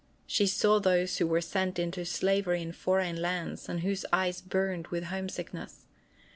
She saw those who were sent into slavery to foreign lands and whose eyes burned with homesickness.